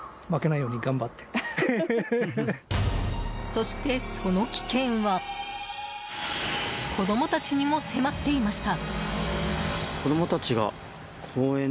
そして、その危険は子供たちにも迫っていました。